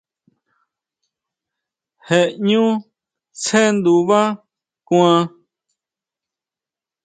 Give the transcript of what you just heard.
Je ʼñú sjendubá kuan.